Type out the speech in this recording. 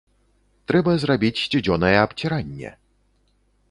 Трэба зрабіць сцюдзёнае абціранне!